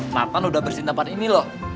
nathan udah bersin tempat ini loh